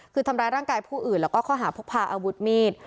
คือทำร้ายร่างกายผู้อื่นแล้วก็ข้อหาพกพาอาวุธมีด